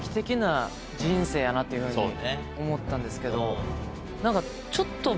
やなっていうふうに思ったんですけど。